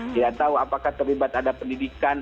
tidak tahu apakah terlibat ada pendidikan